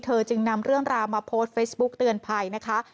จึงนำเรื่องราวมาโพสต์เฟซบุ๊กเตือนภัยนะคะ